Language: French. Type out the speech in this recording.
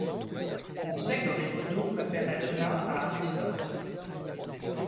On sait que Rivaudeau préférait Donat à Aristote.